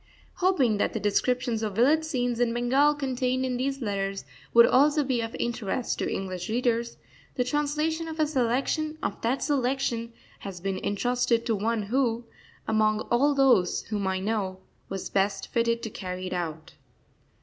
Hoping that the descriptions of village scenes in Bengal contained in these letters would also be of interest to English readers, the translation of a selection of that selection has been entrusted to one who, among all those whom I know, was best fitted to carry it out.